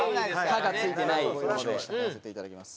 刃が付いてないものでやらせていただきます